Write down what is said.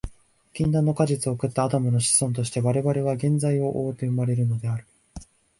禁断の果実を食ったアダムの子孫として、我々は原罪を負うて生まれるのである。